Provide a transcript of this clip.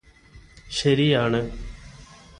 ശരിയാണ്